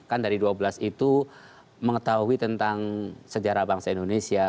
kan dari dua belas itu mengetahui tentang sejarah bangsa indonesia